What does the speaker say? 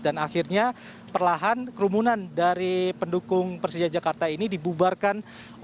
dan akhirnya perlahan kerumunan dari pendukung persija jakarta ini dibubarkan